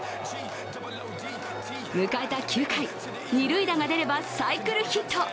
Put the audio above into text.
迎えた９回、二塁打が出ればサイクルヒット。